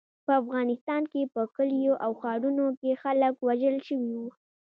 په افغانستان کې په کلیو او ښارونو کې خلک وژل شوي وو.